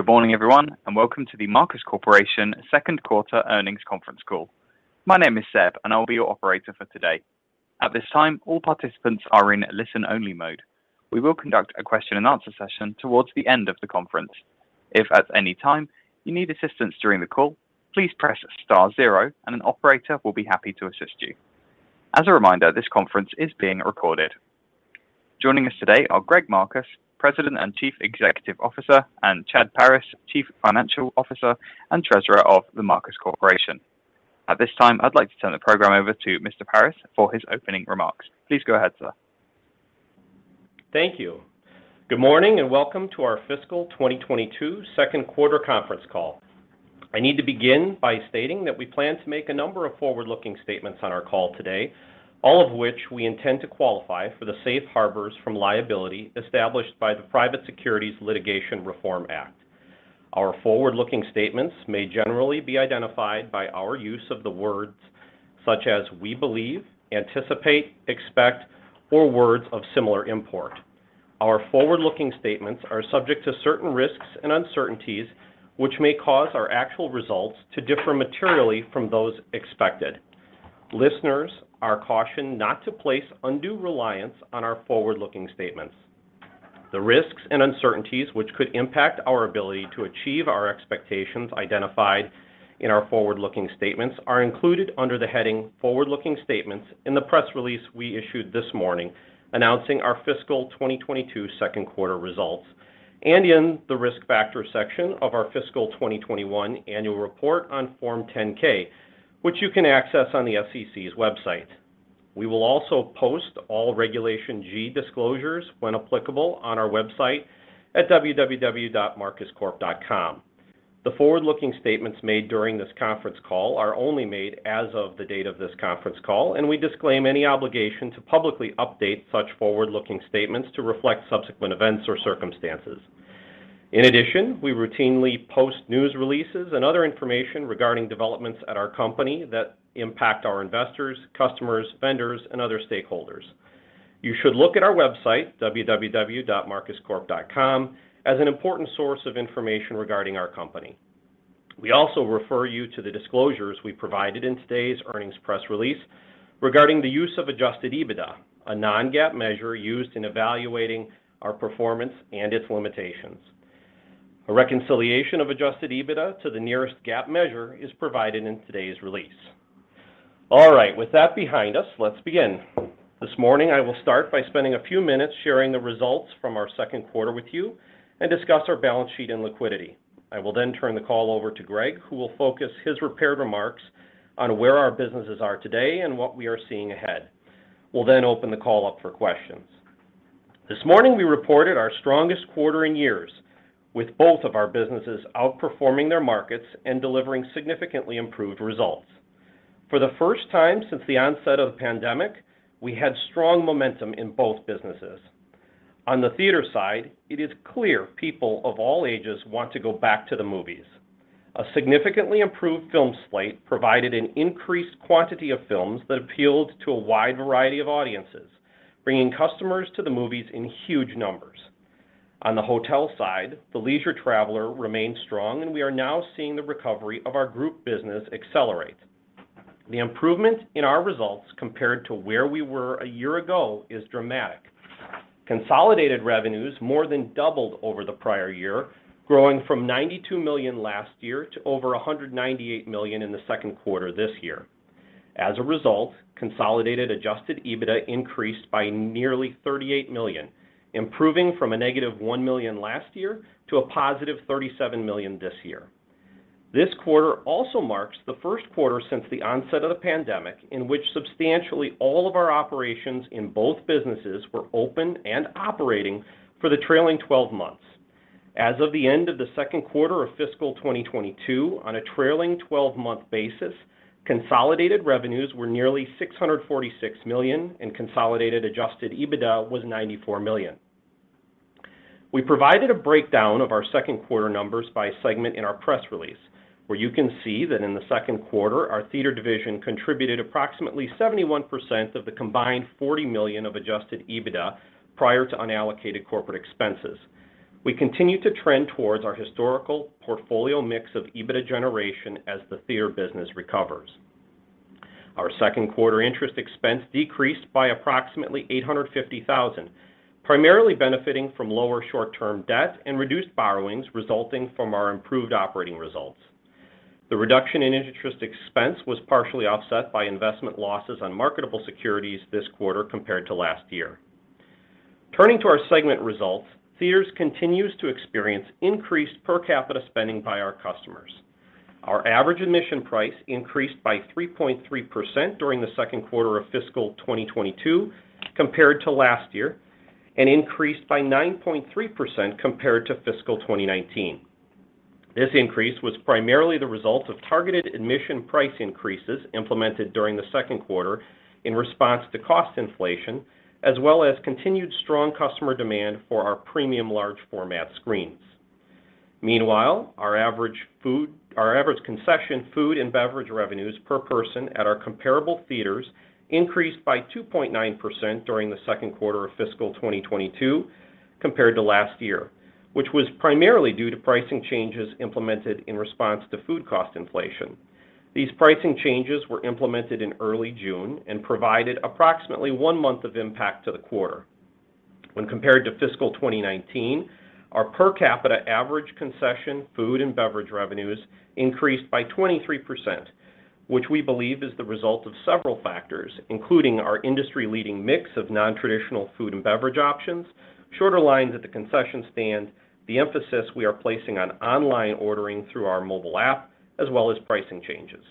Good morning, everyone, and welcome to The Marcus Corporation second quarter earnings conference call. My name is Seb, and I'll be your operator for today. At this time, all participants are in listen-only mode. We will conduct a question and answer session towards the end of the conference. If at any time you need assistance during the call, please press star zero and an operator will be happy to assist you. As a reminder, this conference is being recorded. Joining us today are Greg Marcus, President and Chief Executive Officer, and Chad Paris, Chief Financial Officer and Treasurer of The Marcus Corporation. At this time, I'd like to turn the program over to Mr. Paris for his opening remarks. Please go ahead, sir. Thank you. Good morning, and welcome to our fiscal 2022 second quarter conference call. I need to begin by stating that we plan to make a number of forward-looking statements on our call today, all of which we intend to qualify for the safe harbors from liability established by the Private Securities Litigation Reform Act. Our forward-looking statements may generally be identified by our use of the words such as we believe, anticipate, expect, or words of similar import. Our forward-looking statements are subject to certain risks and uncertainties, which may cause our actual results to differ materially from those expected. Listeners are cautioned not to place undue reliance on our forward-looking statements. The risks and uncertainties which could impact our ability to achieve our expectations identified in our forward-looking statements are included under the heading Forward-Looking Statements in the press release we issued this morning announcing our fiscal 2022 second quarter results and in the Risk Factors section of our fiscal 2021 Annual Report on Form 10-K, which you can access on the SEC's website. We will also post all Regulation G disclosures, when applicable, on our website at www.marcuscorp.com. The forward-looking statements made during this conference call are only made as of the date of this conference call, and we disclaim any obligation to publicly update such forward-looking statements to reflect subsequent events or circumstances. In addition, we routinely post news releases and other information regarding developments at our company that impact our investors, customers, vendors, and other stakeholders. You should look at our website, www.marcuscorp.com, as an important source of information regarding our company. We also refer you to the disclosures we provided in today's earnings press release regarding the use of Adjusted EBITDA, a non-GAAP measure used in evaluating our performance and its limitations. A reconciliation of Adjusted EBITDA to the nearest GAAP measure is provided in today's release. All right, with that behind us, let's begin. This morning, I will start by spending a few minutes sharing the results from our second quarter with you and discuss our balance sheet and liquidity. I will then turn the call over to Greg, who will focus his prepared remarks on where our businesses are today and what we are seeing ahead. We'll then open the call up for questions. This morning, we reported our strongest quarter in years, with both of our businesses outperforming their markets and delivering significantly improved results. For the first time since the onset of the pandemic, we had strong momentum in both businesses. On the theater side, it is clear people of all ages want to go back to the movies. A significantly improved film slate provided an increased quantity of films that appealed to a wide variety of audiences, bringing customers to the movies in huge numbers. On the hotel side, the leisure traveler remained strong, and we are now seeing the recovery of our group business accelerate. The improvement in our results compared to where we were a year ago is dramatic. Consolidated revenues more than doubled over the prior year, growing from $92 million last year to over $198 million in the second quarter this year. As a result, consolidated Adjusted EBITDA increased by nearly $38 million, improving from a -$1 million last year to a positive $37 million this year. This quarter also marks the first quarter since the onset of the pandemic in which substantially all of our operations in both businesses were open and operating for the trailing twelve months. As of the end of the second quarter of fiscal 2022, on a trailing twelve-month basis, consolidated revenues were nearly $646 million, and consolidated Adjusted EBITDA was $94 million. We provided a breakdown of our second quarter numbers by segment in our press release, where you can see that in the second quarter, our theater division contributed approximately 71% of the combined $40 million of Adjusted EBITDA prior to unallocated corporate expenses. We continue to trend towards our historical portfolio mix of EBITDA generation as the theater business recovers. Our second quarter interest expense decreased by approximately $850,000, primarily benefiting from lower short-term debt and reduced borrowings resulting from our improved operating results. The reduction in interest expense was partially offset by investment losses on marketable securities this quarter compared to last year. Turning to our segment results, Theaters continues to experience increased per capita spending by our customers. Our average admission price increased by 3.3% during the second quarter of fiscal 2022 compared to last year and increased by 9.3% compared to fiscal 2019. This increase was primarily the result of targeted admission price increases implemented during the second quarter in response to cost inflation as well as continued strong customer demand for our premium large format screens. Meanwhile, our average concession food and beverage revenues per person at our comparable theaters increased by 2.9% during the second quarter of fiscal 2022 compared to last year. Which was primarily due to pricing changes implemented in response to food cost inflation. These pricing changes were implemented in early June and provided approximately one month of impact to the quarter. When compared to fiscal 2019, our per capita average concession food and beverage revenues increased by 23%, which we believe is the result of several factors, including our industry-leading mix of nontraditional food and beverage options, shorter lines at the concession stand, the emphasis we are placing on online ordering through our mobile app, as well as pricing changes.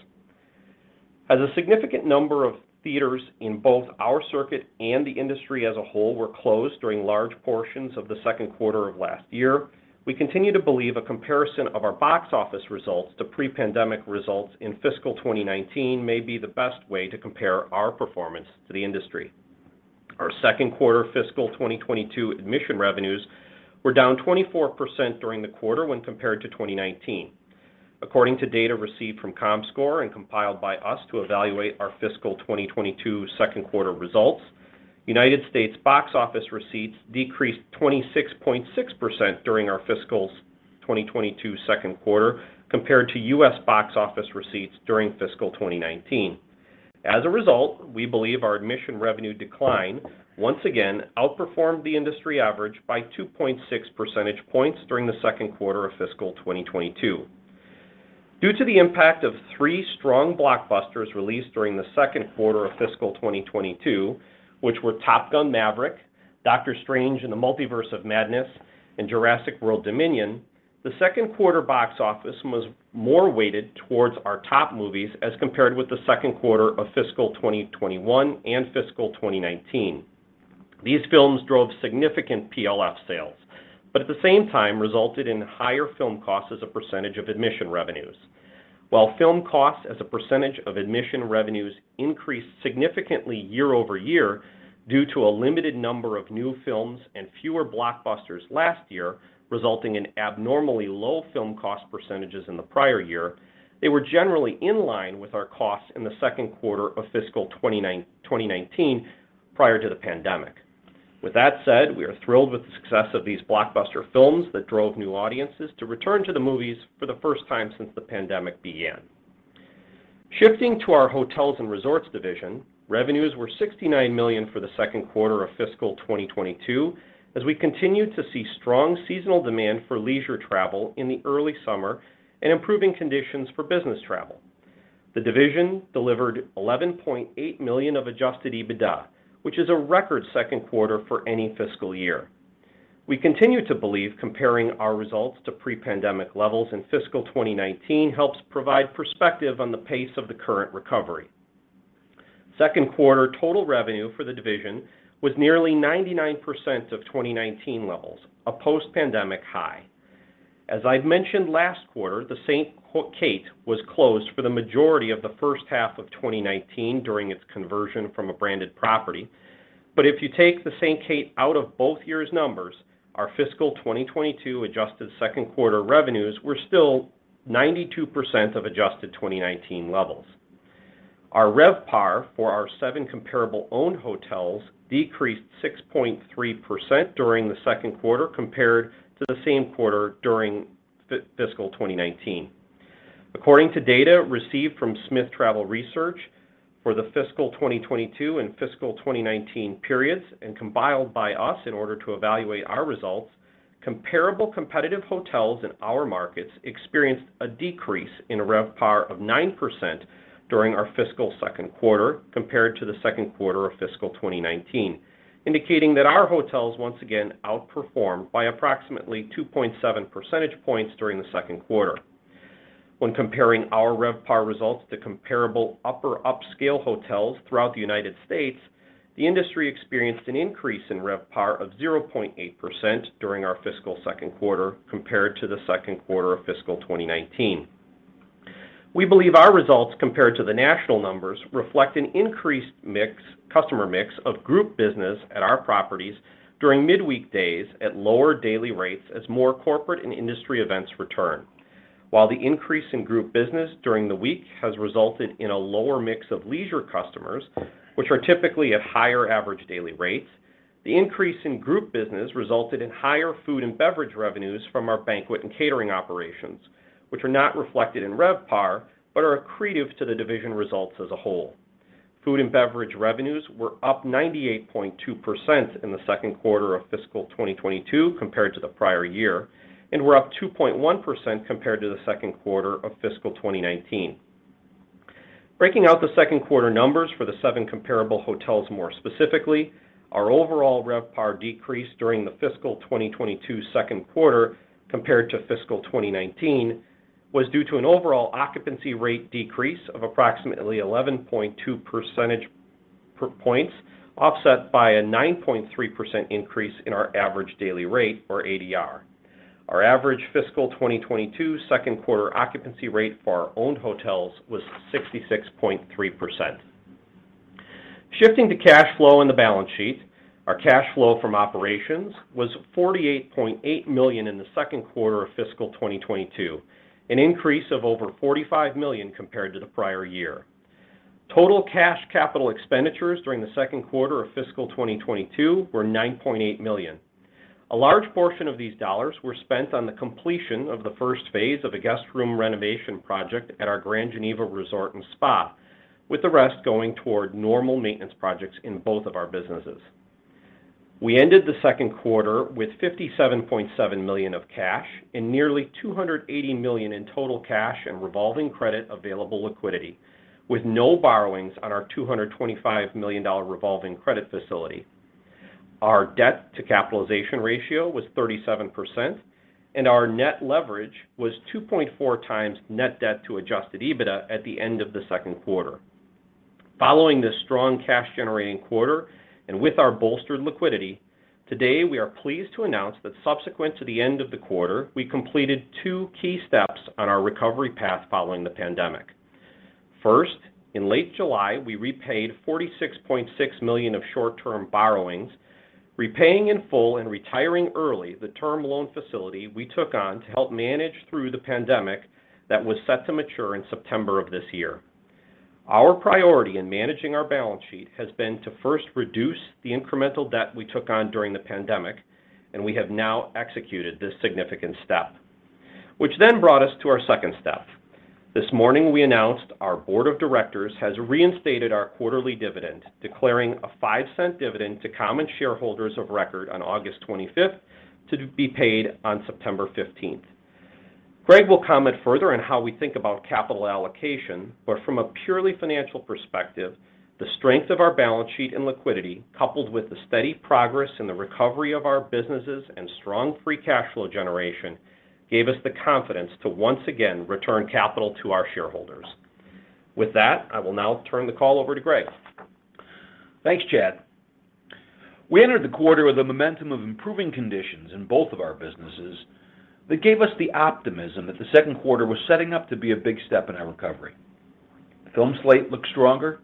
As a significant number of theaters in both our circuit and the industry as a whole were closed during large portions of the second quarter of last year, we continue to believe a comparison of our box office results to pre-pandemic results in fiscal 2019 may be the best way to compare our performance to the industry. Our second quarter fiscal 2022 admission revenues were down 24% during the quarter when compared to 2019. According to data received from Comscore and compiled by us to evaluate our fiscal 2022 second quarter results, United States box office receipts decreased 26.6% during our fiscal 2022 second quarter compared to US box office receipts during fiscal 2019. As a result, we believe our admission revenue decline once again outperformed the industry average by 2.6 percentage points during the second quarter of fiscal 2022. Due to the impact of three strong blockbusters released during the second quarter of fiscal 2022, which were Top Gun: Maverick, Doctor Strange in the Multiverse of Madness, and Jurassic World Dominion, the second quarter box office was more weighted towards our top movies as compared with the second quarter of fiscal 2021 and fiscal 2019. These films drove significant PLF sales, but at the same time resulted in higher film costs as a percentage of admission revenues. While film costs as a percentage of admission revenues increased significantly year-over-year due to a limited number of new films and fewer blockbusters last year, resulting in abnormally low film cost percentages in the prior year, they were generally in line with our costs in the second quarter of fiscal 2019 prior to the pandemic. With that said, we are thrilled with the success of these blockbuster films that drove new audiences to return to the movies for the first time since the pandemic began. Shifting to our hotels and resorts division, revenues were $69 million for the second quarter of fiscal 2022 as we continued to see strong seasonal demand for leisure travel in the early summer and improving conditions for business travel. The division delivered $11.8 million of Adjusted EBITDA, which is a record second quarter for any fiscal year. We continue to believe comparing our results to pre-pandemic levels in fiscal 2019 helps provide perspective on the pace of the current recovery. Second quarter total revenue for the division was nearly 99% of 2019 levels, a post-pandemic high. As I mentioned last quarter, the Saint Kate was closed for the majority of the first half of 2019 during its conversion from a branded property. If you take the Saint Kate out of both years' numbers, our fiscal 2022 adjusted second quarter revenues were still 92% of adjusted 2019 levels. Our RevPAR for our seven comparable owned hotels decreased 6.3% during the second quarter compared to the same quarter during fiscal 2019. According to data received from STR for the fiscal 2022 and fiscal 2019 periods and compiled by us in order to evaluate our results, comparable competitive hotels in our markets experienced a decrease in RevPAR of 9% during our fiscal second quarter compared to the second quarter of fiscal 2019, indicating that our hotels once again outperformed by approximately 2.7 percentage points during the second quarter. When comparing our RevPAR results to comparable upper upscale hotels throughout the United States, the industry experienced an increase in RevPAR of 0.8% during our fiscal second quarter compared to the second quarter of fiscal 2019. We believe our results compared to the national numbers reflect an increased mix, customer mix of group business at our properties during midweek days at lower daily rates as more corporate and industry events return. While the increase in group business during the week has resulted in a lower mix of leisure customers, which are typically at higher average daily rates, the increase in group business resulted in higher food and beverage revenues from our banquet and catering operations, which are not reflected in RevPAR, but are accretive to the division results as a whole. Food and beverage revenues were up 98.2% in the second quarter of fiscal 2022 compared to the prior year and were up 2.1% compared to the second quarter of fiscal 2019. Breaking out the second quarter numbers for the seven comparable hotels more specifically, our overall RevPAR decrease during the fiscal 2022 second quarter compared to fiscal 2019 was due to an overall occupancy rate decrease of approximately 11.2 percentage points, offset by a 9.3% increase in our average daily rate or ADR. Our average fiscal 2022 second quarter occupancy rate for our owned hotels was 66.3%. Shifting to cash flow and the balance sheet, our cash flow from operations was $48.8 million in the second quarter of fiscal 2022, an increase of over $45 million compared to the prior year. Total cash capital expenditures during the second quarter of fiscal 2022 were $9.8 million. A large portion of these dollars were spent on the completion of the first phase of a guest room renovation project at our Grand Geneva Resort & Spa, with the rest going toward normal maintenance projects in both of our businesses. We ended the second quarter with $57.7 million of cash and nearly $280 million in total cash and revolving credit available liquidity, with no borrowings on our $225 million revolving credit facility. Our debt to capitalization ratio was 37%, and our net leverage was 2.4x net debt to Adjusted EBITDA at the end of the second quarter. Following this strong cash-generating quarter and with our bolstered liquidity, today we are pleased to announce that subsequent to the end of the quarter, we completed two key steps on our recovery path following the pandemic. First, in late July, we repaid $46.6 million of short-term borrowings, repaying in full and retiring early the term loan facility we took on to help manage through the pandemic that was set to mature in September of this year. Our priority in managing our balance sheet has been to first reduce the incremental debt we took on during the pandemic, and we have now executed this significant step, which then brought us to our second step. This morning we announced our board of directors has reinstated our quarterly dividend, declaring a $0.05 dividend to common shareholders of record on August 25th to be paid on September 15th. Greg will comment further on how we think about capital allocation, but from a purely financial perspective, the strength of our balance sheet and liquidity, coupled with the steady progress in the recovery of our businesses and strong free cash flow generation, gave us the confidence to once again return capital to our shareholders. With that, I will now turn the call over to Greg. Thanks, Chad. We entered the quarter with a momentum of improving conditions in both of our businesses that gave us the optimism that the second quarter was setting up to be a big step in our recovery. The film slate looked stronger.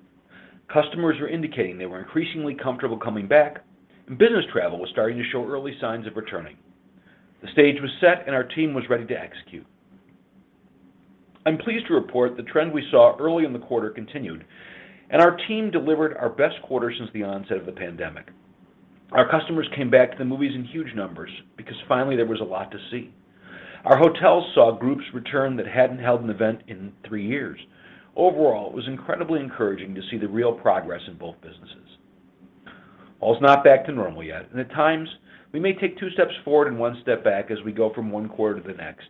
Customers were indicating they were increasingly comfortable coming back, and business travel was starting to show early signs of returning. The stage was set and our team was ready to execute. I'm pleased to report the trend we saw early in the quarter continued, and our team delivered our best quarter since the onset of the pandemic. Our customers came back to the movies in huge numbers because finally there was a lot to see. Our hotels saw groups return that hadn't held an event in three years. Overall, it was incredibly encouraging to see the real progress in both businesses. All's not back to normal yet, and at times we may take two steps forward and one step back as we go from one quarter to the next.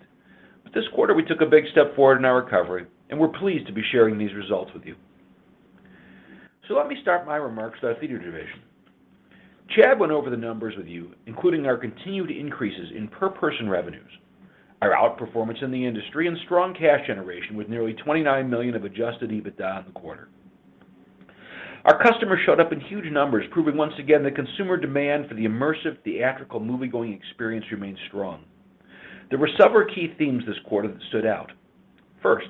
But this quarter we took a big step forward in our recovery, and we're pleased to be sharing these results with you. Let me start my remarks with our theater division. Chad went over the numbers with you, including our continued increases in per-person revenues, our outperformance in the industry, and strong cash generation with nearly $29 million of Adjusted EBITDA in the quarter. Our customers showed up in huge numbers, proving once again that consumer demand for the immersive theatrical moviegoing experience remains strong. There were several key themes this quarter that stood out. First,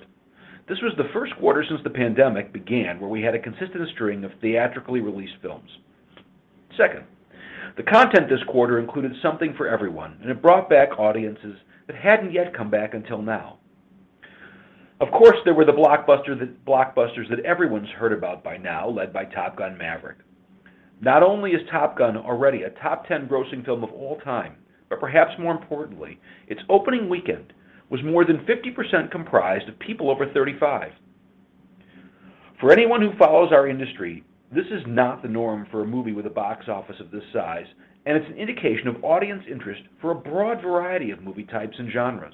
this was the first quarter since the pandemic began where we had a consistent string of theatrically released films. Second, the content this quarter included something for everyone, and it brought back audiences that hadn't yet come back until now. Of course, there were the blockbusters that everyone's heard about by now, led by Top Gun: Maverick. Not only is Top Gun already a top 10 grossing film of all time, but perhaps more importantly, its opening weekend was more than 50% comprised of people over 35. For anyone who follows our industry, this is not the norm for a movie with a box office of this size, and it's an indication of audience interest for a broad variety of movie types and genres.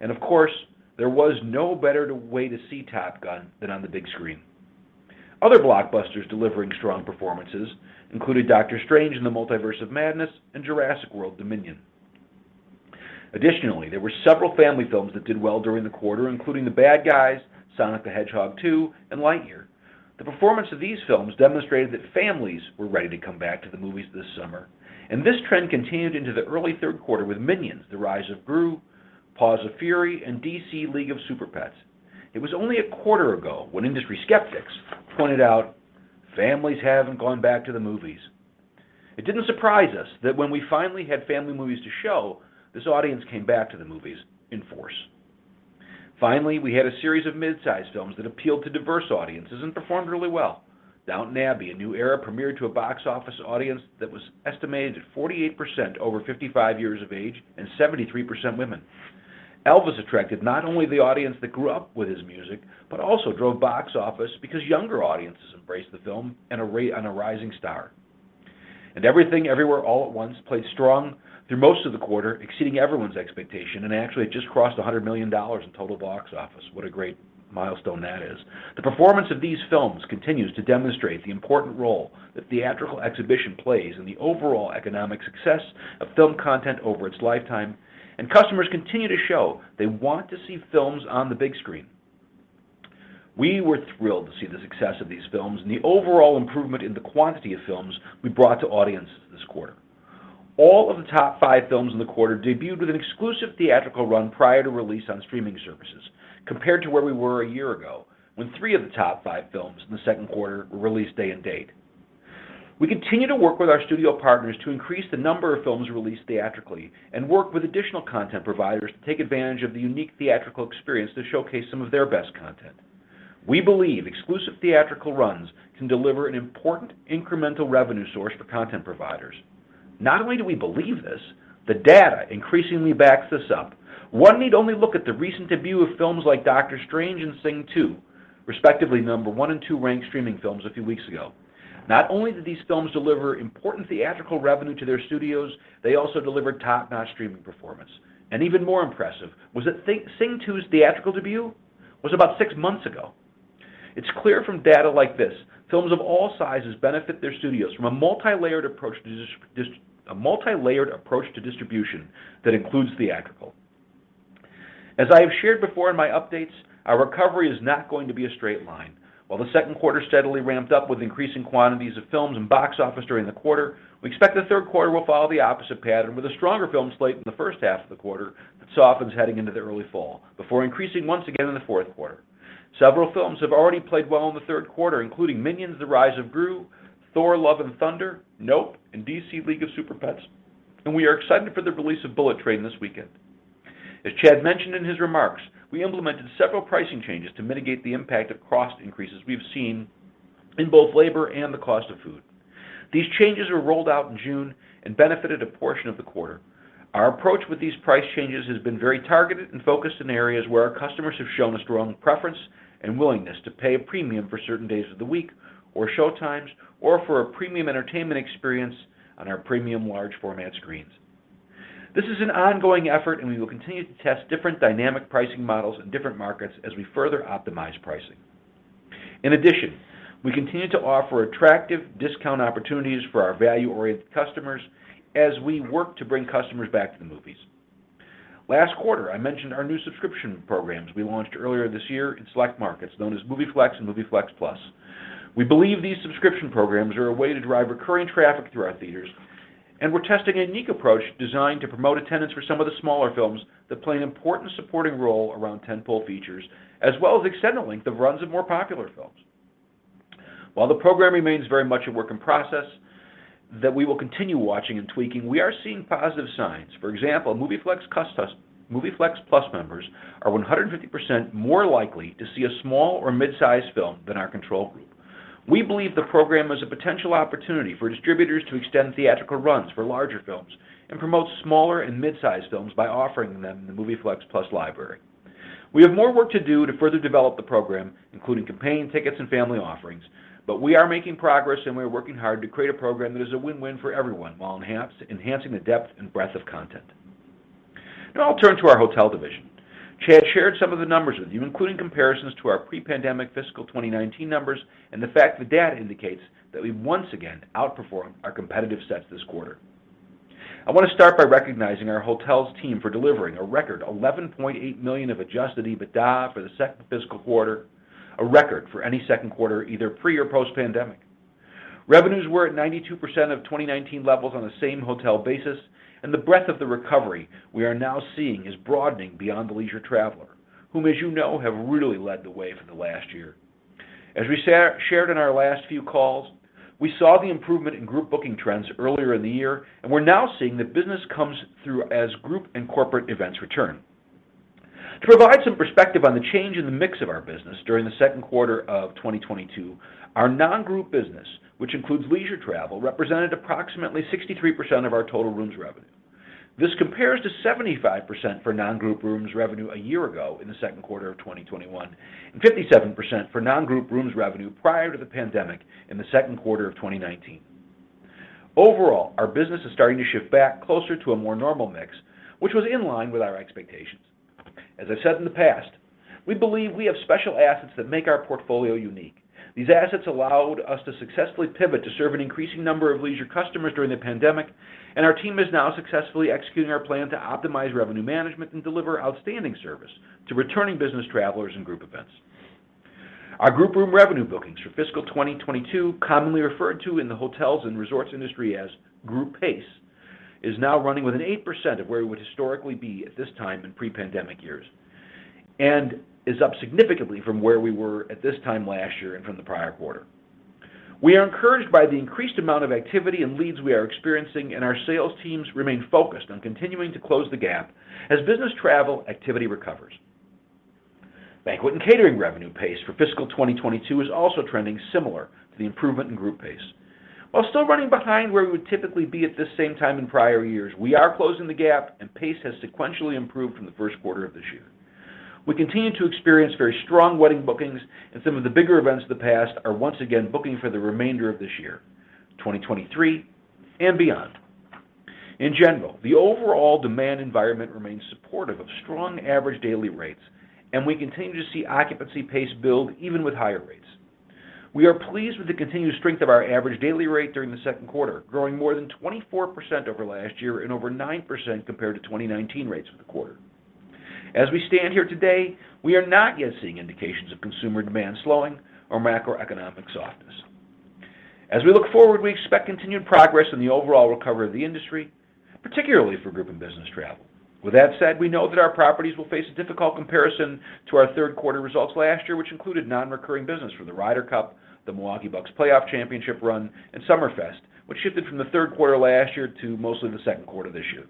Of course, there was no better way to see Top Gun than on the big screen. Other blockbusters delivering strong performances included Doctor Strange in the Multiverse of Madness and Jurassic World Dominion. Additionally, there were several family films that did well during the quarter, including The Bad Guys, Sonic the Hedgehog 2, and Lightyear. The performance of these films demonstrated that families were ready to come back to the movies this summer, and this trend continued into the early third quarter with Minions: The Rise of Gru, Paws of Fury, and DC League of Super-Pets. It was only a quarter ago when industry skeptics pointed out families haven't gone back to the movies. It didn't surprise us that when we finally had family movies to show, this audience came back to the movies in force. Finally, we had a series of mid-sized films that appealed to diverse audiences and performed really well. Downton Abbey: A New Era premiered to a box office audience that was estimated at 48% over 55 years of age and 73% women. Elvis attracted not only the audience that grew up with his music, but also drove box office because younger audiences embraced the film and a rising star. Everything Everywhere All at Once played strong through most of the quarter, exceeding everyone's expectation and actually just crossed $100 million in total box office. What a great milestone that is. The performance of these films continues to demonstrate the important role that theatrical exhibition plays in the overall economic success of film content over its lifetime, and customers continue to show they want to see films on the big screen. We were thrilled to see the success of these films and the overall improvement in the quantity of films we brought to audiences this quarter. All of the top five films in the quarter debuted with an exclusive theatrical run prior to release on streaming services compared to where we were a year ago when three of the top five films in the second quarter were released day and date. We continue to work with our studio partners to increase the number of films released theatrically and work with additional content providers to take advantage of the unique theatrical experience to showcase some of their best content. We believe exclusive theatrical runs can deliver an important incremental revenue source for content providers. Not only do we believe this, the data increasingly backs this up. One need only look at the recent debut of films like Doctor Strange and Sing 2, respectively number 1 and 2 ranked streaming films a few weeks ago. Not only did these films deliver important theatrical revenue to their studios, they also delivered top-notch streaming performance. Even more impressive was that Sing 2's theatrical debut was about six months ago. It's clear from data like this, films of all sizes benefit their studios from a multilayered approach to distribution that includes theatrical. As I have shared before in my updates, our recovery is not going to be a straight line. While the second quarter steadily ramped up with increasing quantities of films and box office during the quarter, we expect the third quarter will follow the opposite pattern with a stronger film slate in the first half of the quarter that softens heading into the early fall before increasing once again in the fourth quarter. Several films have already played well in the third quarter, including Minions: The Rise of Gru, Thor: Love and Thunder, Nope, and DC League of Super-Pets, and we are excited for the release of Bullet Train this weekend. As Chad mentioned in his remarks, we implemented several pricing changes to mitigate the impact of cost increases we've seen in both labor and the cost of food. These changes were rolled out in June and benefited a portion of the quarter. Our approach with these price changes has been very targeted and focused in areas where our customers have shown a strong preference and willingness to pay a premium for certain days of the week or showtimes or for a premium entertainment experience on our premium large format screens. This is an ongoing effort, and we will continue to test different dynamic pricing models in different markets as we further optimize pricing. In addition, we continue to offer attractive discount opportunities for our value-oriented customers as we work to bring customers back to the movies. Last quarter, I mentioned our new subscription programs we launched earlier this year in select markets known as MovieFlex and MovieFlex Plus. We believe these subscription programs are a way to drive recurring traffic through our theaters, and we're testing a unique approach designed to promote attendance for some of the smaller films that play an important supporting role around tent-pole features, as well as extend the length of runs of more popular films. While the program remains very much a work in process that we will continue watching and tweaking, we are seeing positive signs. For example, MovieFlex Plus members are 150% more likely to see a small or mid-sized film than our control group. We believe the program is a potential opportunity for distributors to extend theatrical runs for larger films and promote smaller and mid-size films by offering them the MovieFlex Plus library. We have more work to do to further develop the program, including companion tickets and family offerings, but we are making progress, and we are working hard to create a program that is a win-win for everyone while enhancing the depth and breadth of content. Now I'll turn to our hotel division. Chad shared some of the numbers with you, including comparisons to our pre-pandemic fiscal 2019 numbers and the fact the data indicates that we once again outperformed our competitive sets this quarter. I want to start by recognizing our hotels team for delivering a record $11.8 million of Adjusted EBITDA for the second fiscal quarter, a record for any second quarter, either pre or post pandemic. Revenues were at 92% of 2019 levels on the same hotel basis, and the breadth of the recovery we are now seeing is broadening beyond the leisure traveler, whom, as you know, have really led the way for the last year. As we shared in our last few calls, we saw the improvement in group booking trends earlier in the year, and we're now seeing that business comes through as group and corporate events return. To provide some perspective on the change in the mix of our business during the second quarter of 2022, our non-group business, which includes leisure travel, represented approximately 63% of our total rooms revenue. This compares to 75% for non-group rooms revenue a year ago in the second quarter of 2021 and 57% for non-group rooms revenue prior to the pandemic in the second quarter of 2019. Overall, our business is starting to shift back closer to a more normal mix, which was in line with our expectations. As I've said in the past, we believe we have special assets that make our portfolio unique. These assets allowed us to successfully pivot to serve an increasing number of leisure customers during the pandemic, and our team is now successfully executing our plan to optimize revenue management and deliver outstanding service to returning business travelers and group events. Our group room revenue bookings for fiscal 2022, commonly referred to in the hotels and resorts industry as group pace, is now running within 8% of where we would historically be at this time in pre-pandemic years and is up significantly from where we were at this time last year and from the prior quarter. We are encouraged by the increased amount of activity and leads we are experiencing, and our sales teams remain focused on continuing to close the gap as business travel activity recovers. Banquet and catering revenue pace for fiscal 2022 is also trending similar to the improvement in group pace. While still running behind where we would typically be at this same time in prior years, we are closing the gap, and pace has sequentially improved from the first quarter of this year. We continue to experience very strong wedding bookings, and some of the bigger events of the past are once again booking for the remainder of this year, 2023 and beyond. In general, the overall demand environment remains supportive of strong average daily rates, and we continue to see occupancy pace build even with higher rates. We are pleased with the continued strength of our average daily rate during the second quarter, growing more than 24% over last year and over 9% compared to 2019 rates for the quarter. As we stand here today, we are not yet seeing indications of consumer demand slowing or macroeconomic softness. As we look forward, we expect continued progress in the overall recovery of the industry, particularly for group and business travel. With that said, we know that our properties will face a difficult comparison to our third quarter results last year, which included non-recurring business for the Ryder Cup, the Milwaukee Bucks playoff championship run, and Summerfest, which shifted from the third quarter last year to mostly the second quarter this year.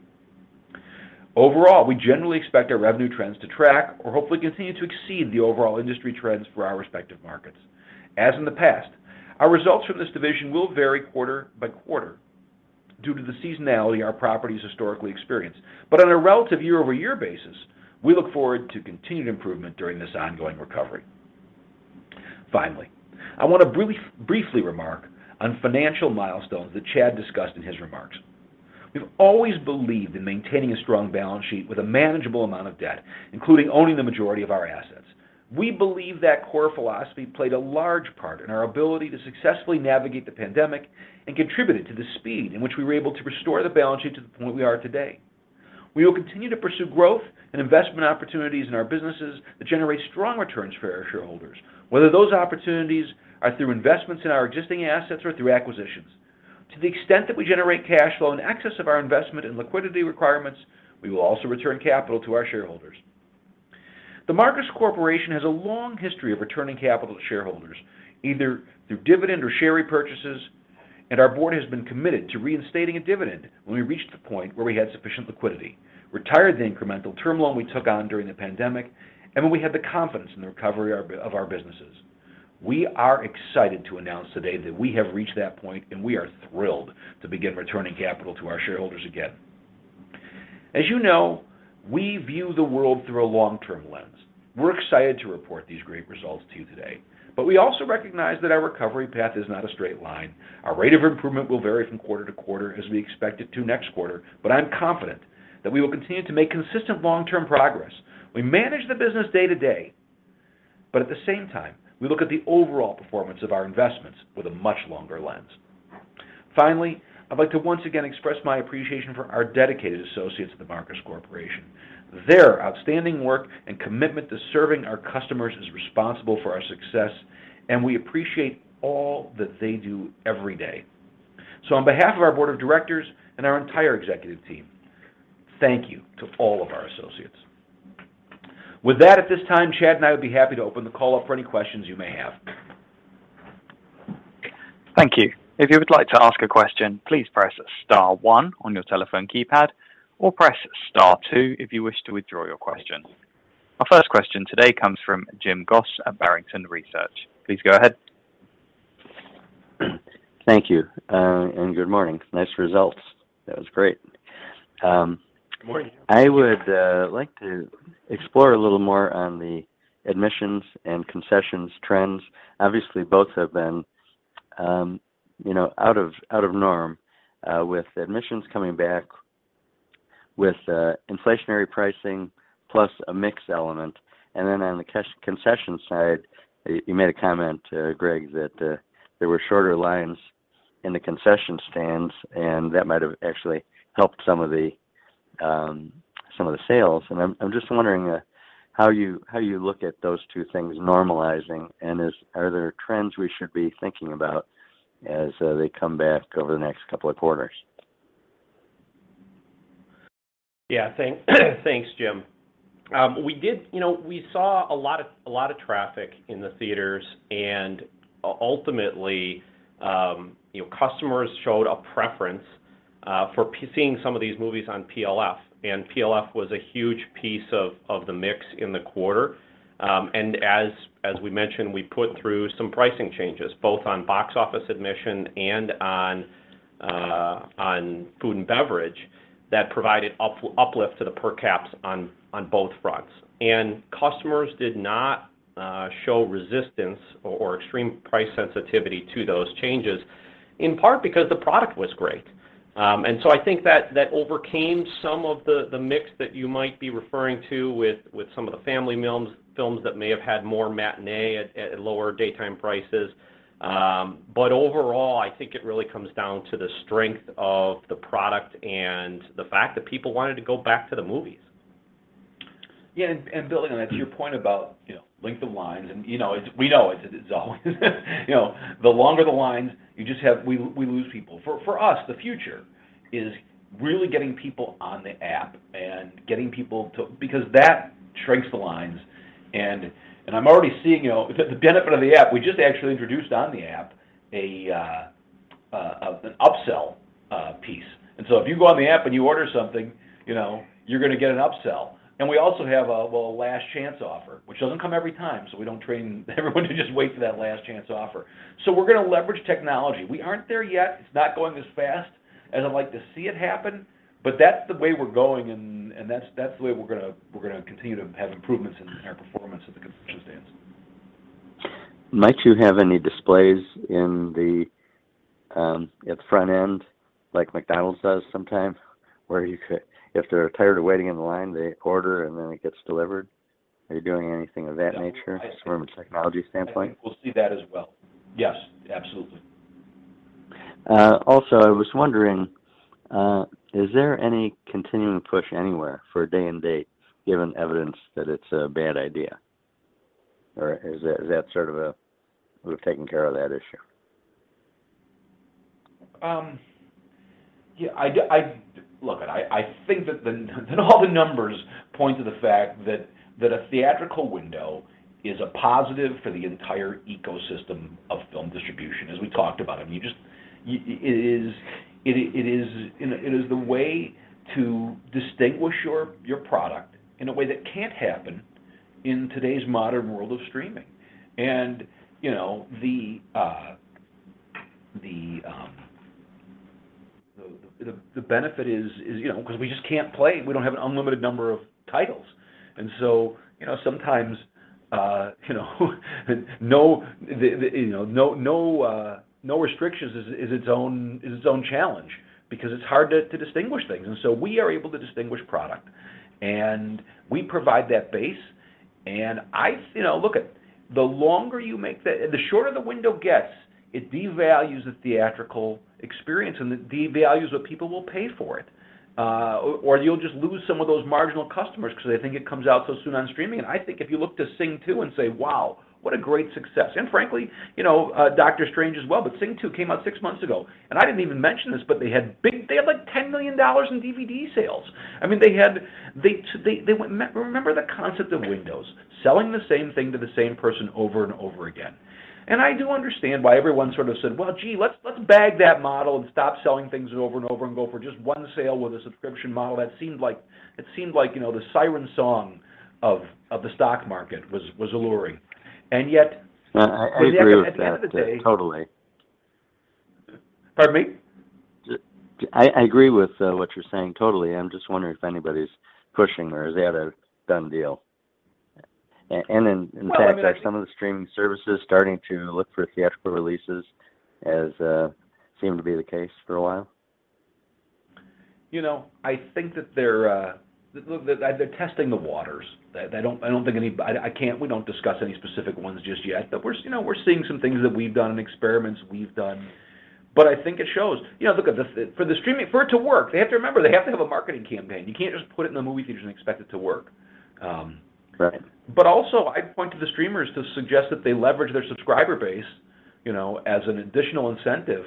Overall, we generally expect our revenue trends to track or hopefully continue to exceed the overall industry trends for our respective markets. As in the past, our results from this division will vary quarter by quarter due to the seasonality our properties historically experience. On a relative year-over-year basis, we look forward to continued improvement during this ongoing recovery. Finally, I want to briefly remark on financial milestones that Chad discussed in his remarks. We've always believed in maintaining a strong balance sheet with a manageable amount of debt, including owning the majority of our assets. We believe that core philosophy played a large part in our ability to successfully navigate the pandemic and contributed to the speed in which we were able to restore the balance sheet to the point we are today. We will continue to pursue growth and investment opportunities in our businesses that generate strong returns for our shareholders, whether those opportunities are through investments in our existing assets or through acquisitions. To the extent that we generate cash flow in excess of our investment and liquidity requirements, we will also return capital to our shareholders. The Marcus Corporation has a long history of returning capital to shareholders, either through dividend or share repurchases, and our board has been committed to reinstating a dividend when we reached the point where we had sufficient liquidity, retired the incremental term loan we took on during the pandemic, and when we had the confidence in the recovery of our businesses. We are excited to announce today that we have reached that point, and we are thrilled to begin returning capital to our shareholders again. As you know, we view the world through a long-term lens. We're excited to report these great results to you today, but we also recognize that our recovery path is not a straight line. Our rate of improvement will vary from quarter to quarter as we expect it to next quarter, but I'm confident that we will continue to make consistent long-term progress. We manage the business day to day, but at the same time, we look at the overall performance of our investments with a much longer lens. Finally, I'd like to once again express my appreciation for our dedicated associates at The Marcus Corporation. Their outstanding work and commitment to serving our customers is responsible for our success, and we appreciate all that they do every day. On behalf of our board of directors and our entire executive team, thank you to all of our associates. With that, at this time, Chad and I would be happy to open the call up for any questions you may have. Thank you. If you would like to ask a question, please press star one on your telephone keypad or press star two if you wish to withdraw your question. Our first question today comes from Jim Goss at Barrington Research. Please go ahead. Thank you, and good morning. Nice results. That was great. Good morning. I would like to explore a little more on the admissions and concessions trends. Obviously, both have been, you know, out of norm with admissions coming back with inflationary pricing plus a mix element. On the concession side, you made a comment, Greg, that there were shorter lines in the concession stands, and that might have actually helped some of the sales. I'm just wondering how you look at those two things normalizing and are there trends we should be thinking about as they come back over the next couple of quarters? Yeah. Thanks, Jim. We saw a lot of traffic in the theaters and ultimately, you know, customers showed a preference for seeing some of these movies on PLF, and PLF was a huge piece of the mix in the quarter. As we mentioned, we put through some pricing changes, both on box office admission and on food and beverage that provided uplift to the per caps on both fronts. Customers did not show resistance or extreme price sensitivity to those changes, in part because the product was great. I think that overcame some of the mix that you might be referring to with some of the family films that may have had more matinee at lower daytime prices. Overall, I think it really comes down to the strength of the product and the fact that people wanted to go back to the movies. Building on that, to your point about you know length of lines and you know we know it's always you know the longer the lines we lose people. For us, the future is really getting people on the app, because that shrinks the lines and I'm already seeing you know the benefit of the app. We just actually introduced on the app an upsell piece. If you go on the app and you order something, you know you're gonna get an upsell. We also have a, well, last chance offer, which doesn't come every time, so we don't train everyone to just wait for that last chance offer. We're gonna leverage technology. We aren't there yet. It's not going as fast as I'd like to see it happen, but that's the way we're going and that's the way we're gonna continue to have improvements in our performance at the concession stands. Might you have any displays in the, at the front end, like McDonald's does sometimes, where if they're tired of waiting in line, they order, and then it gets delivered? Are you doing anything of that nature from a technology standpoint? I think we'll see that as well. Yes, absolutely. Also, I was wondering, is there any continuing push anywhere for day and date, given evidence that it's a bad idea? Or is that sort of a. We've taken care of that issue? Look, I think that all the numbers point to the fact that a theatrical window is a positive for the entire ecosystem of film distribution, as we talked about. I mean, it is, and it is the way to distinguish your product in a way that can't happen in today's modern world of streaming. You know, the benefit is, you know, 'cause we just can't play. We don't have an unlimited number of titles. You know, sometimes, no restrictions is its own challenge because it's hard to distinguish things, and so we are able to distinguish product. We provide that base, and I. You know, the shorter the window gets, it devalues the theatrical experience, and it devalues what people will pay for it. Or you'll just lose some of those marginal customers because they think it comes out so soon on streaming. I think if you look to Sing 2 and say, "Wow, what a great success," and frankly, you know, Dr. Strange as well, but Sing 2 came out six months ago. I didn't even mention this, but they had like $10 million in DVD sales. I mean, remember the concept of windows, selling the same thing to the same person over and over again. I do understand why everyone sort of said, "Well, gee, let's bag that model and stop selling things over and over and go for just one sale with a subscription model." That seemed like you know the siren song of the stock market was alluring. Yet. No, I agree with that, totally. At the end of the day. Pardon me? I agree with what you're saying totally. I'm just wondering if anybody's pushing or is that a done deal? Well, I mean.... are some of the streaming services starting to look for theatrical releases as seemed to be the case for a while? You know, I think that they're testing the waters. They don't. I don't think any. We don't discuss any specific ones just yet, but we're, you know, seeing some things that we've done and experiments we've done. I think it shows. You know, for the streaming, for it to work, they have to remember, they have to have a marketing campaign. You can't just put it in the movie theaters and expect it to work. Right I point to the streamers to suggest that they leverage their subscriber base, you know, as an additional incentive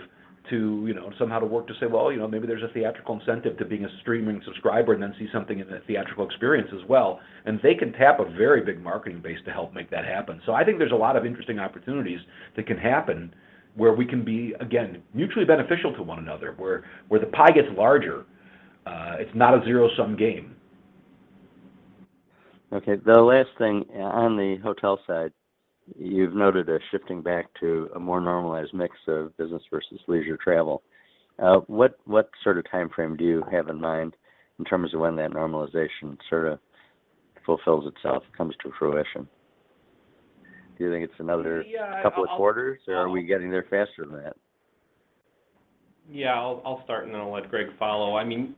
to, you know, somehow to work to say, well, you know, maybe there's a theatrical incentive to being a streaming subscriber and then see something in the theatrical experience as well, and they can tap a very big marketing base to help make that happen. I think there's a lot of interesting opportunities that can happen where we can be, again, mutually beneficial to one another, where the pie gets larger. It's not a zero-sum game. Okay. The last thing, on the hotel side, you've noted a shifting back to a more normalized mix of business versus leisure travel. What sort of timeframe do you have in mind in terms of when that normalization sort of fulfills itself, comes to fruition? Do you think it's another- I'll start. couple of quarters, or are we getting there faster than that? Yeah, I'll start, and then I'll let Greg follow. I mean,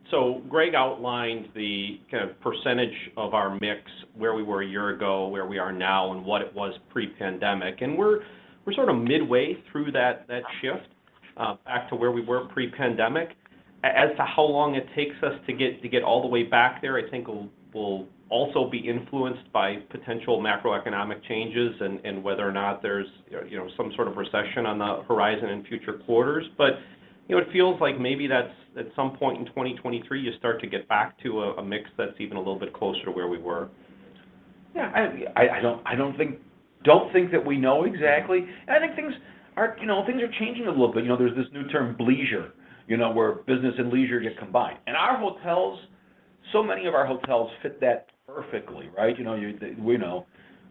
Greg outlined the kind of percentage of our mix, where we were a year ago, where we are now, and what it was pre-pandemic, and we're sort of midway through that shift back to where we were pre-pandemic. As to how long it takes us to get all the way back there, I think will also be influenced by potential macroeconomic changes and whether or not there's, you know, some sort of recession on the horizon in future quarters. You know, it feels like maybe that's at some point in 2023 you start to get back to a mix that's even a little bit closer to where we were. Yeah, I don't think that we know exactly. I think things are, you know, changing a little bit. You know, there's this new term bleisure, you know, where business and leisure get combined. Our hotels, so many of our hotels fit that perfectly, right? We know.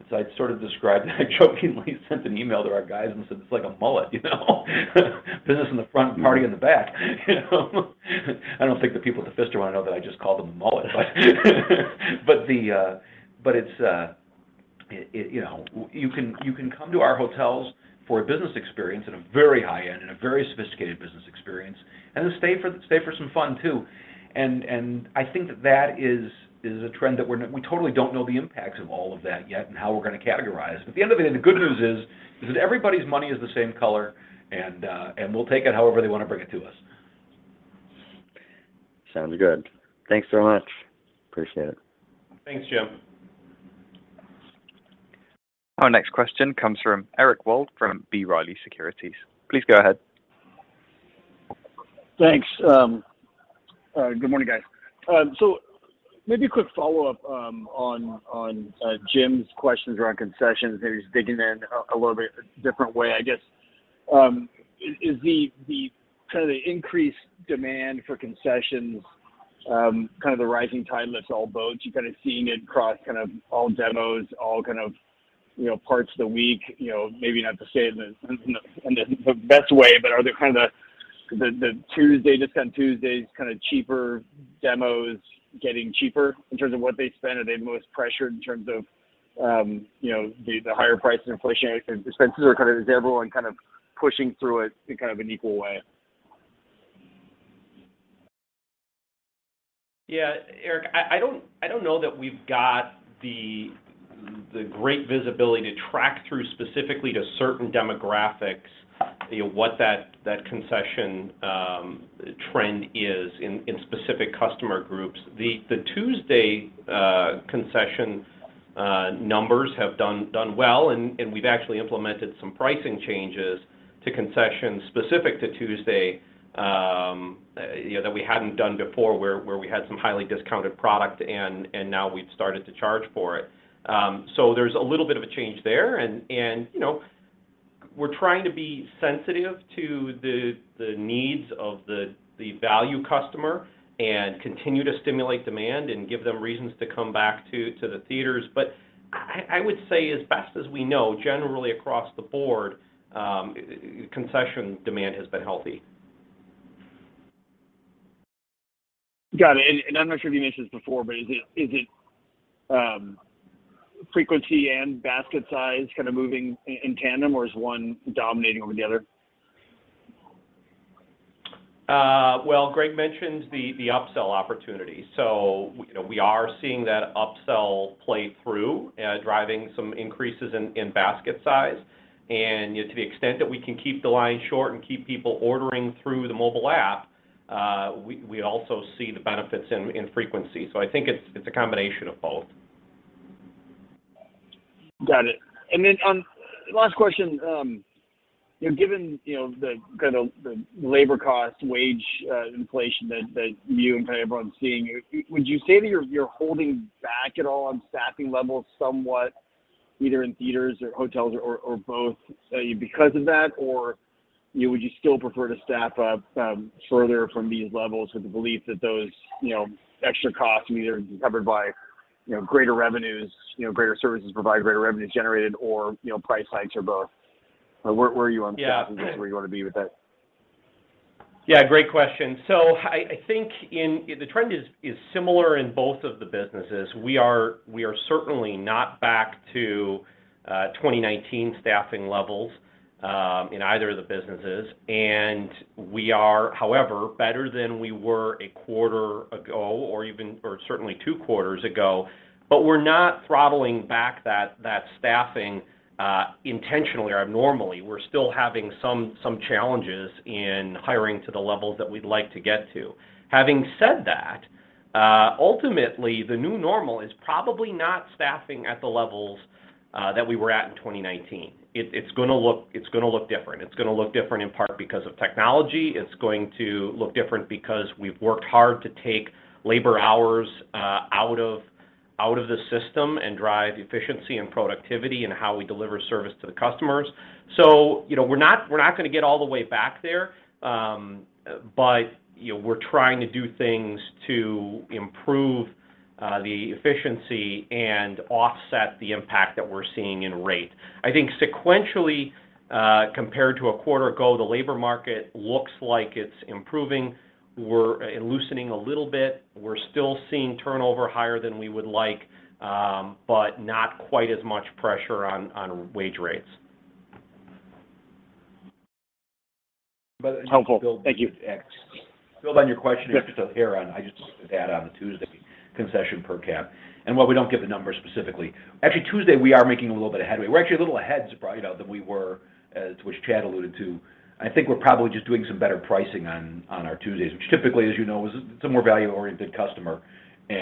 As I sort of described, I jokingly sent an email to our guys and said it's like a mullet, you know? Business in the front, party in the back, you know? I don't think the people at the Pfister wanna know that I just called them a mullet, but. It's. You know, you can come to our hotels for a business experience at a very high end and a very sophisticated business experience, and then stay for some fun too. I think that is a trend that we totally don't know the impacts of all of that yet and how we're gonna categorize. At the end of the day, the good news is that everybody's money is the same color, and we'll take it however they wanna bring it to us. Sounds good. Thanks so much. Appreciate it. Thanks, Jim. Our next question comes from Eric Wold from B. Riley Securities. Please go ahead. Thanks. Good morning, guys. So maybe a quick follow-up on Jim's questions around concessions. Maybe just digging in a little bit different way, I guess. Is the kind of the increased demand for concessions kind of the rising tide lifts all boats? You kind of seeing it across kind of all demos, all kind of, you know, parts of the week? You know, maybe not to say it in the best way, but are there kind of the Tuesday discount Tuesdays kind of cheaper demos getting cheaper in terms of what they spend? Are they most pressured in terms of, you know, the higher price and inflationary expenses are kind of. Is everyone kind of pushing through it in kind of an equal way? Yeah, Eric, I don't know that we've got the great visibility to track through specifically to certain demographics. You know, what that concession trend is in specific customer groups. The Tuesday concession numbers have done well, and we've actually implemented some pricing changes to concessions specific to Tuesday, you know, that we hadn't done before, where we had some highly discounted product and now we've started to charge for it. There's a little bit of a change there, and you know, we're trying to be sensitive to the needs of the value customer and continue to stimulate demand and give them reasons to come back to the theaters. I would say as best as we know, generally across the board, concession demand has been healthy. Got it. I'm not sure if you mentioned this before, but is it frequency and basket size kind of moving in tandem, or is one dominating over the other? Well, Greg mentioned the upsell opportunity, so we, you know, we are seeing that upsell play through, driving some increases in basket size. You know, to the extent that we can keep the line short and keep people ordering through the mobile app, we also see the benefits in frequency. I think it's a combination of both. Got it. Last question, you know, given the kind of labor costs, wage inflation that you and kind of everyone's seeing, would you say that you're holding back at all on staffing levels somewhat, either in theaters or hotels or both, because of that? Or, you know, would you still prefer to staff up further from these levels with the belief that those, you know, extra costs can either be covered by, you know, greater revenues, you know, greater services provided, greater revenues generated or, you know, price hikes or both? Where are you on- Yeah. That's where you wanna be with that? Yeah, great question. I think the trend is similar in both of the businesses. We are certainly not back to 2019 staffing levels in either of the businesses, and we are, however, better than we were a quarter ago or even, or certainly two quarters ago. We're not throttling back that staffing intentionally or abnormally. We're still having some challenges in hiring to the levels that we'd like to get to. Having said that, ultimately, the new normal is probably not staffing at the levels that we were at in 2019. It's gonna look different. It's gonna look different in part because of technology. It's going to look different because we've worked hard to take labor hours out of the system and drive efficiency and productivity in how we deliver service to the customers. You know, we're not gonna get all the way back there. You know, we're trying to do things to improve the efficiency and offset the impact that we're seeing in rate. I think sequentially, compared to a quarter ago, the labor market looks like it's improving. We're loosening a little bit. We're still seeing turnover higher than we would like, but not quite as much pressure on wage rates. Oh, cool. Thank you. Build on your question. Sure. Just to Eric Wold, I just wanted to add on the Tuesday concession per cap and while we don't give the numbers specifically. Actually, Tuesday we are making a little bit of headway. We're actually a little ahead, surprise, you know, than we were, which Chad Paris alluded to. I think we're probably just doing some better pricing on our Tuesdays, which typically, as you know, is some more value-oriented customer. But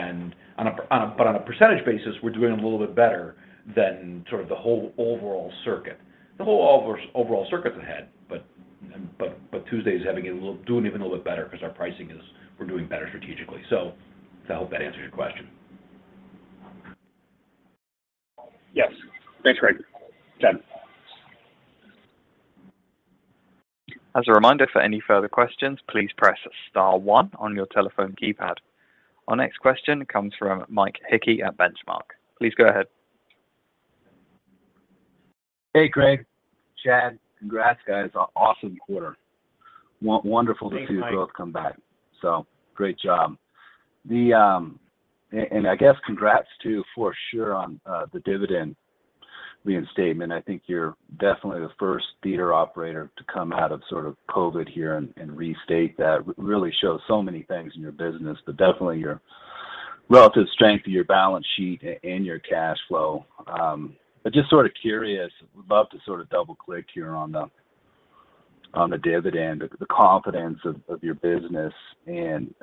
on a percentage basis, we're doing a little bit better than sort of the whole overall circuit. The whole overall circuit's ahead, but Tuesday's having a little, doing even a little better 'cause our pricing is, we're doing better strategically. I hope that answers your question. Yes. Thanks, Greg. Chad. As a reminder, for any further questions, please press star one on your telephone keypad. Our next question comes from Mike Hickey at Benchmark. Please go ahead. Hey, Greg, Chad. Congrats, guys, on an awesome quarter. Thanks, Mike. To see you both come back. Great job. I guess congrats too, for sure, on the dividend reinstatement. I think you're definitely the first theater operator to come out of sort of COVID here and restate that. Really shows so many things in your business, but definitely your relative strength of your balance sheet and your cash flow. Just sort of curious, would love to sort of double-click here on the dividend, the confidence of your business and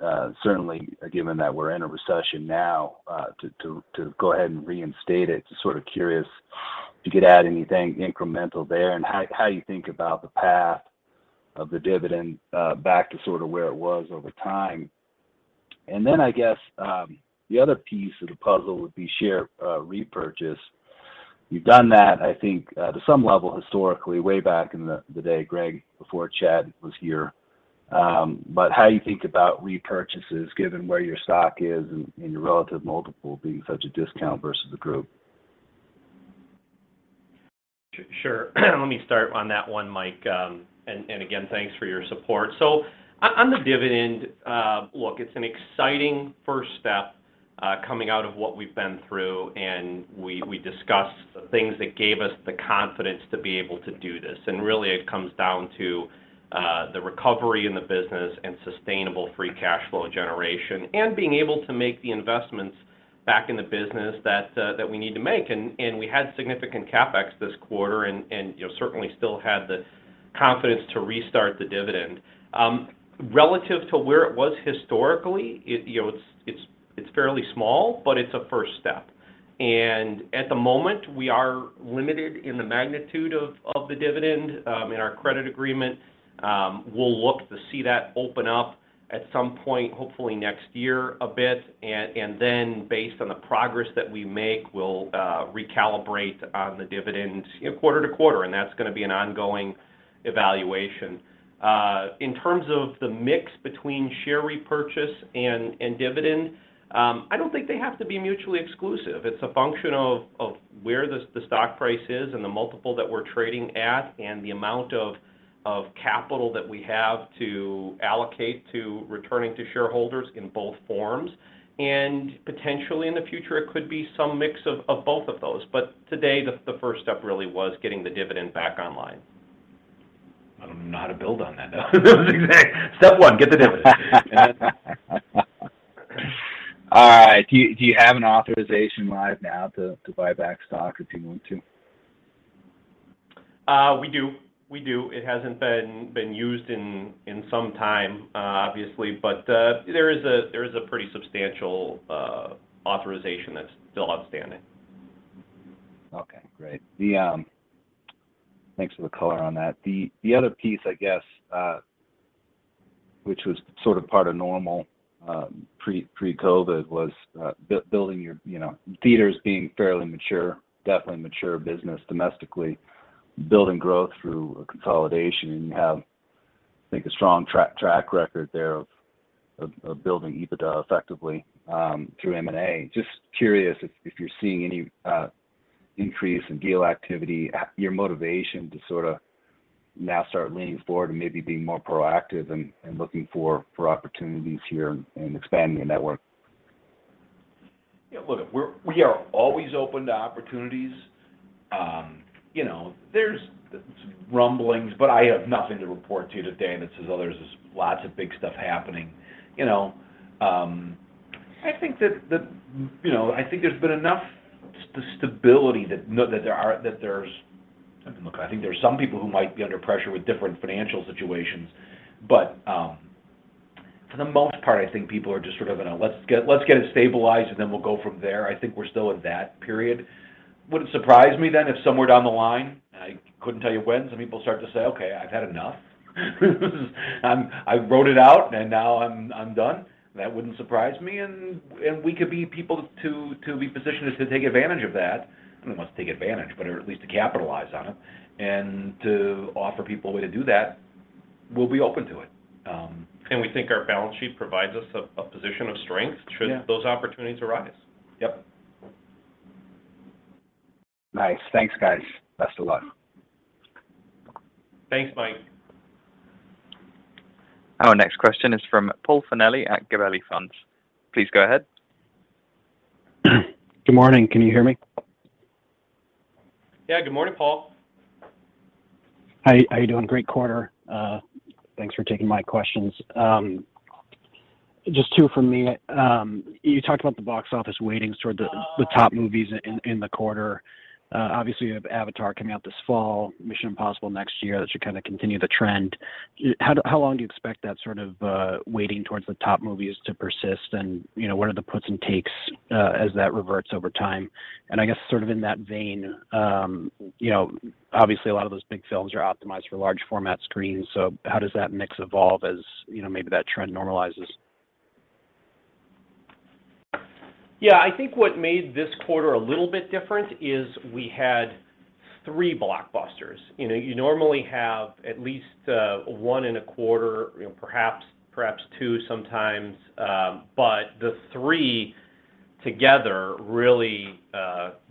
certainly given that we're in a recession now, to go ahead and reinstate it. Just sort of curious if you could add anything incremental there and how you think about the path of the dividend back to sort of where it was over time. I guess the other piece of the puzzle would be share repurchase. You've done that, I think, to some level historically, way back in the day, Greg, before Chad was here. How you think about repurchases given where your stock is and your relative multiple being such a discount versus the group. Sure. Let me start on that one, Mike. Again, thanks for your support. On the dividend, look, it's an exciting first step, coming out of what we've been through, and we discussed the things that gave us the confidence to be able to do this. Really, it comes down to the recovery in the business and sustainable free cash flow generation, and being able to make the investments back in the business that we need to make. We had significant CapEx this quarter and, you know, certainly still had the confidence to restart the dividend. Relative to where it was historically, you know, it's fairly small, but it's a first step. At the moment, we are limited in the magnitude of the dividend in our credit agreement. We'll look to see that open up at some point, hopefully next year a bit. Based on the progress that we make, we'll recalibrate on the dividend, you know, quarter to quarter, and that's gonna be an ongoing evaluation. In terms of the mix between share repurchase and dividend, I don't think they have to be mutually exclusive. It's a function of where the stock price is and the multiple that we're trading at and the amount of capital that we have to allocate to returning to shareholders in both forms. Potentially, in the future, it could be some mix of both of those. Today, the first step really was getting the dividend back online. I don't know how to build on that though. Step one, get the dividend. All right. Do you have an authorization live now to buy back stock if you want to? We do. It hasn't been used in some time, obviously, but there is a pretty substantial authorization that's still outstanding. Okay. Great. Thanks for the color on that. The other piece, I guess, which was sort of part of normal pre-COVID was building your, you know, theaters being fairly mature, definitely mature business domestically, building growth through a consolidation. You have, I think, a strong track record there of building EBITDA effectively through M&A. Just curious if you're seeing any increase in deal activity, your motivation to sort of now start leaning forward and maybe being more proactive and looking for opportunities here and expanding your network. Yeah, look, we are always open to opportunities. You know, there's some rumblings, but I have nothing to report to you today that says, oh, there's lots of big stuff happening. You know, I think that, you know, I think there's been enough stability that there's. I mean, look, I think there's some people who might be under pressure with different financial situations, but for the most part, I think people are just sort of in a let's get it stabilized, and then we'll go from there. I think we're still in that period. Wouldn't surprise me then if somewhere down the line, I couldn't tell you when, some people start to say, "Okay, I've had enough. I rode it out, and now I'm done." That wouldn't surprise me, and we could be positioned to take advantage of that. I don't want to take advantage, but at least to capitalize on it. To offer people a way to do that, we'll be open to it. We think our balance sheet provides us a position of strength. Yeah should those opportunities arise. Yep. Cool. Nice. Thanks, guys. Best of luck. Thanks, Mike. Our next question is from Paul Fennell at Gabelli Funds. Please go ahead. Good morning. Can you hear me? Yeah. Good morning, Paul. How you doing? Great quarter. Thanks for taking my questions. Just two from me. You talked about the box office weightings toward the top movies in the quarter. Obviously you have Avatar coming out this fall, Mission Impossible next year. That should kind of continue the trend. How long do you expect that sort of weighting towards the top movies to persist? You know, what are the puts and takes as that reverts over time? I guess sort of in that vein, you know, obviously a lot of those big films are optimized for large format screens. How does that mix evolve as you know, maybe that trend normalizes? Yeah. I think what made this quarter a little bit different is we had three blockbusters. You know, you normally have at least one in a quarter, you know, perhaps two sometimes. The three together really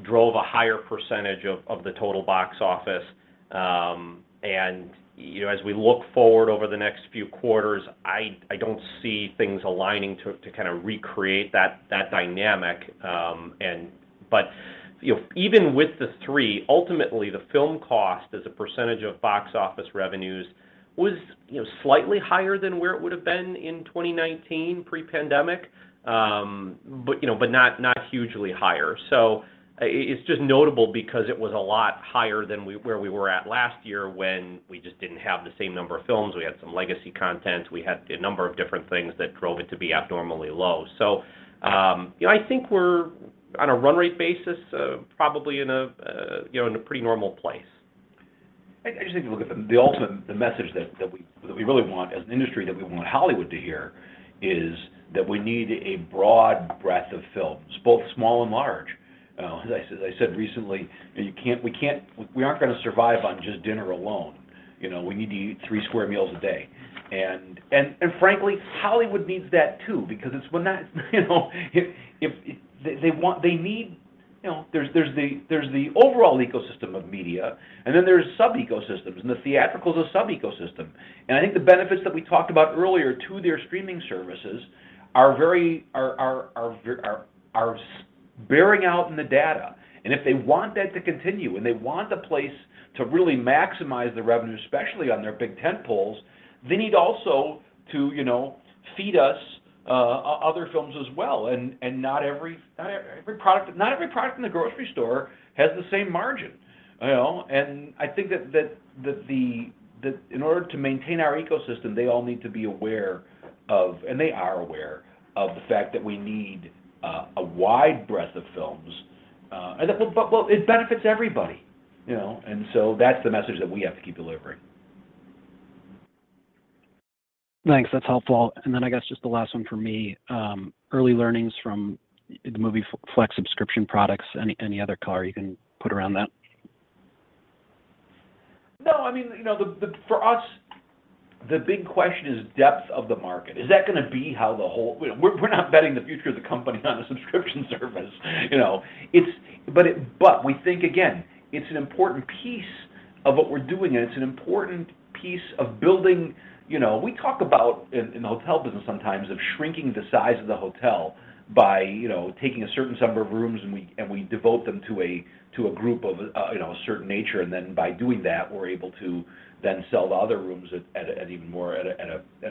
drove a higher percentage of the total box office. You know, as we look forward over the next few quarters, I don't see things aligning to kind of recreate that dynamic. You know, even with the three, ultimately the film cost as a percentage of box office revenues was, you know, slightly higher than where it would've been in 2019 pre-pandemic. You know, not hugely higher. It's just notable because it was a lot higher than where we were at last year when we just didn't have the same number of films. We had some legacy content. We had a number of different things that drove it to be abnormally low. You know, I think we're on a run rate basis probably in a, you know, in a pretty normal place. I just think if you look at the ultimate message that we really want as an industry, that we want Hollywood to hear, is that we need a broad breadth of films, both small and large. As I said recently, you know, we aren't gonna survive on just dinner alone. You know, we need to eat three square meals a day. Frankly, Hollywood needs that too because it's when that, you know, if they want, they need. You know, there's the overall ecosystem of media, and then there's sub ecosystems, and the theatrical is a sub ecosystem. I think the benefits that we talked about earlier to their streaming services are very bearing out in the data, and if they want that to continue, and they want the place to really maximize the revenue, especially on their big tent poles, they need also to, you know, feed us other films as well. Not every product in the grocery store has the same margin, you know? I think that in order to maintain our ecosystem, they all need to be aware of, and they are aware of the fact that we need a wide breadth of films. Well, it benefits everybody, you know? That's the message that we have to keep delivering. Thanks. That's helpful. I guess just the last one from me, early learnings from the MovieFlex subscription products, any other color you can put around that? No, I mean, you know, for us, the big question is depth of the market. Is that gonna be how the whole. We're not betting the future of the company on a subscription service, you know. But we think again, it's an important piece of what we're doing, and it's an important piece of building. You know, we talk about in the hotel business sometimes of shrinking the size of the hotel by, you know, taking a certain number of rooms, and we devote them to a group of, you know, a certain nature. Then by doing that, we're able to then sell the other rooms at even more, at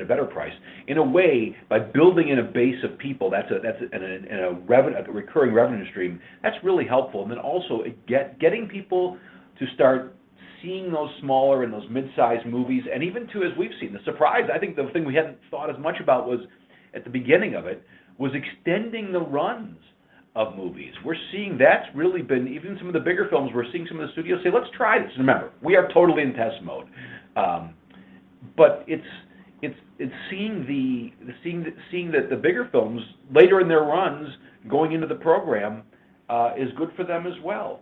a better price. In a way, by building in a base of people, that's. a recurring revenue stream, that's really helpful. Then also getting people to start seeing those smaller and those mid-sized movies and even to, as we've seen, the surprise, I think the thing we hadn't thought as much about was at the beginning of it, was extending the runs of movies. We're seeing that's really been. Even some of the bigger films, we're seeing some of the studios say, "Let's try this." Remember, we are totally in test mode. But it's seeing that the bigger films later in their runs going into the program is good for them as well.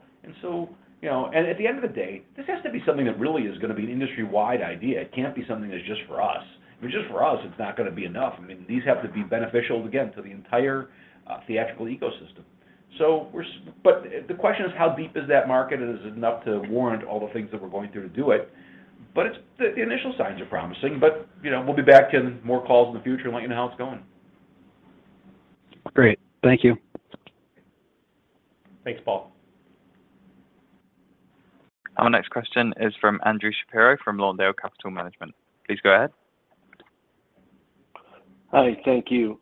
You know, at the end of the day, this has to be something that really is gonna be an industry-wide idea. It can't be something that's just for us. If it's just for us, it's not gonna be enough. I mean, these have to be beneficial, again, to the entire theatrical ecosystem. The question is, how deep is that market? Is it enough to warrant all the things that we're going through to do it? The initial signs are promising. You know, we'll be back in more calls in the future and let you know how it's going. Great. Thank you. Thanks, Paul. Our next question is from Andrew Shapiro from Lawndale Capital Management. Please go ahead. Hi, thank you.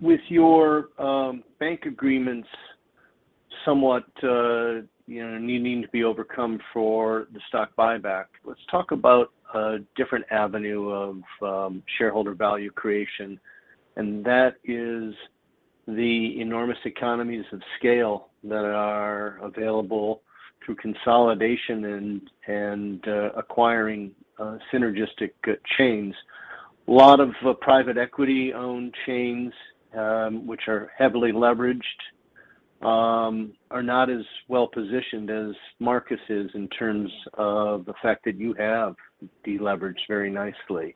With your bank agreements somewhat, you know, needing to be overcome for the stock buyback, let's talk about a different avenue of shareholder value creation, and that is the enormous economies of scale that are available through consolidation and acquiring synergistic chains. Lot of private equity-owned chains, which are heavily leveraged, are not as well-positioned as Marcus' in terms of the fact that you have de-leveraged very nicely.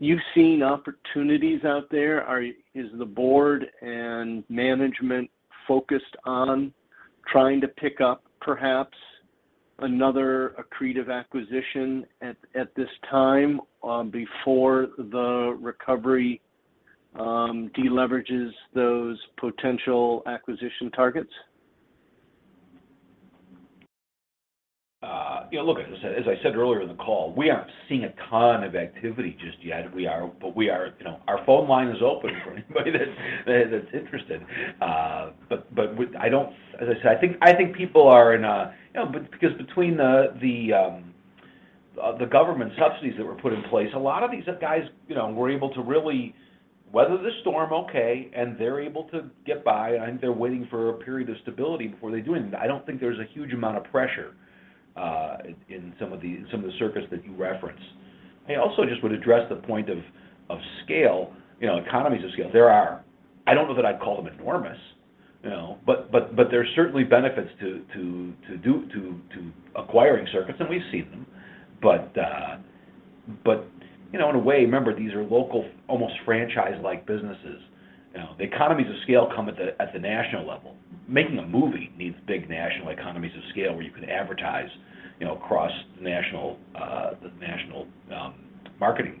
You've seen opportunities out there. Is the board and management focused on trying to pick up perhaps another accretive acquisition at this time before the recovery de-leverages those potential acquisition targets? You know, look, as I said earlier in the call, we aren't seeing a ton of activity just yet. We are, you know, our phone line is open for anybody that's interested. As I said, I think people are in a you know, because between the government subsidies that were put in place, a lot of these guys, you know, were able to really weather the storm okay, and they're able to get by, and they're waiting for a period of stability before they do anything. I don't think there's a huge amount of pressure in some of the circuits that you referenced. I also just would address the point of scale, you know, economies of scale. There are. I don't know that I'd call them enormous, you know, but there's certainly benefits to acquiring circuits, and we've seen them. You know, in a way, remember, these are local, almost franchise-like businesses. You know, the economies of scale come at the national level. Making a movie needs big national economies of scale where you can advertise, you know, across national marketing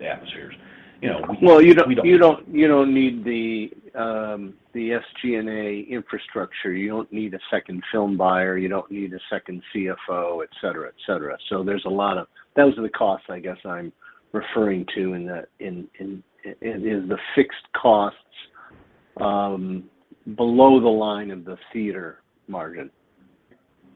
atmospheres. You know, we don't- Well, you don't need the SG&A infrastructure. You don't need a second film buyer. You don't need a second CFO, et cetera, et cetera. Those are the costs I guess I'm referring to in the fixed costs below the line of the theater margin.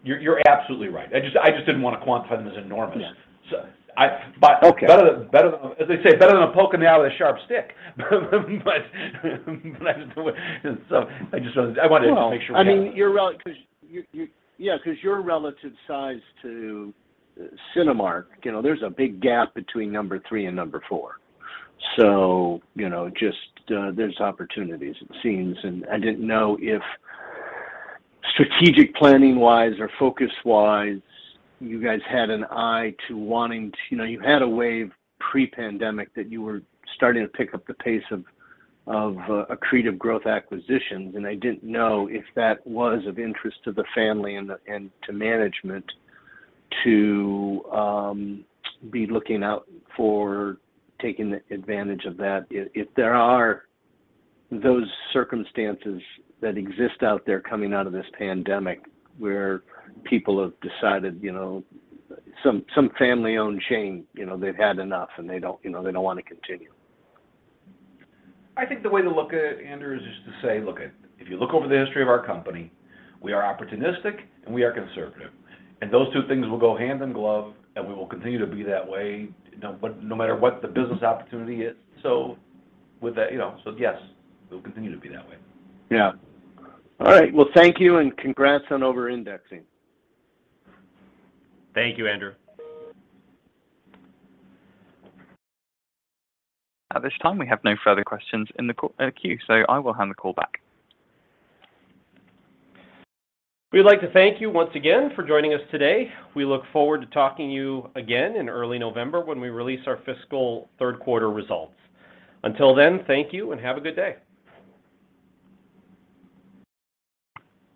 You're absolutely right. I just didn't wanna quantify them as enormous. Yeah. So I- Okay. Better than. As they say, better than a poke in the eye with a sharp stick. But that is the way. I just wanted to make sure. Well, I mean, 'cause your relative size to Cinemark, you know, there's a big gap between number three and number four. You know, just, there's opportunities it seems, and I didn't know if strategic planning-wise or focus-wise, you guys had an eye to wanting to. You know, you had a wave pre-pandemic that you were starting to pick up the pace of accretive growth acquisitions, and I didn't know if that was of interest to the family and to management to be looking out for taking advantage of that if there are those circumstances that exist out there coming out of this pandemic where people have decided, you know, some family-owned chain, you know, they've had enough, and they don't wanna continue. I think the way to look at it, Andrew, is just to say, look at it, if you look over the history of our company, we are opportunistic and we are conservative, and those two things will go hand in glove, and we will continue to be that way no matter what the business opportunity is. With that, you know, yes, we'll continue to be that way. Yeah. All right. Well, thank you and congrats on over-indexing. Thank you, Andrew. At this time, we have no further questions in the call queue, so I will hand the call back. We'd like to thank you once again for joining us today. We look forward to talking to you again in early November when we release our fiscal third quarter results. Until then, thank you and have a good day.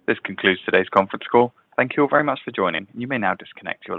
This concludes today's conference call. Thank you very much for joining. You may now disconnect your lines.